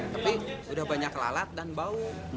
tapi sudah banyak lalat dan bau